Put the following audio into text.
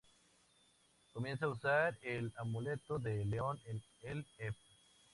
Comienza a usar el amuleto de León en el ep.